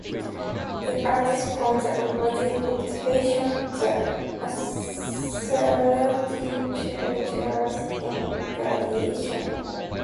It arises from the observation that accelerating charges emit radiation.